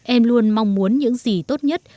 em luôn mong muốn những gì tốt nhất